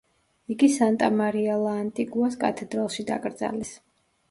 იგი სანტა მარია ლა ანტიგუას კათედრალში დაკრძალეს.